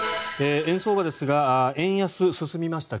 円相場ですが円安、進みました。